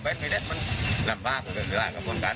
ไม่นานตีขโมยไม่นาน